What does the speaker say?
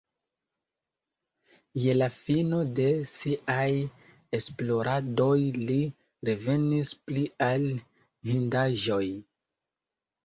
Je la fino de siaj esploradoj li revenis pli al hindaĵoj.